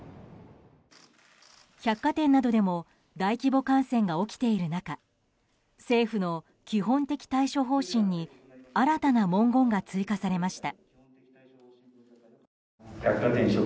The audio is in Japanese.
百貨店などでも大規模感染が起きている中政府の基本的対処方針に新たな文言が追加されました。